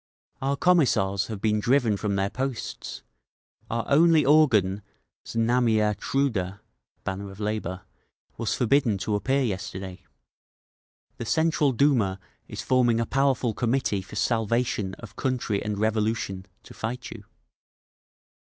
Our Commissars have been driven from their posts. Our only organ, Znamia Truda (Banner of Labour), was forbidden to appear yesterday…. "The Central Duma is forming a powerful Committee for Salvation of Country and Revolution, to fight you.